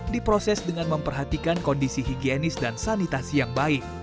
diproses dengan memperhatikan kondisi higienis dan sanitasi yang baik